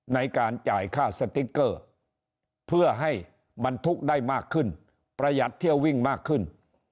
ในการจ่ายค่าสติ๊กเกอร์เพื่อให้บรรทุกได้มากขึ้นประหยัดเที่ยววิ่งมากขึ้น